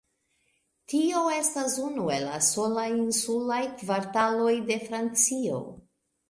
Tio estas unu el la solaj insulaj kvartaloj de Francio.